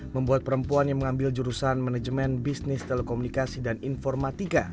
membuat perempuan yang mengambil jurusan manajemen bisnis telekomunikasi dan informatika